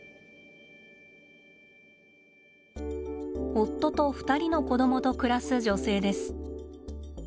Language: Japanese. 夫と２人の子どもと暮らす女性です。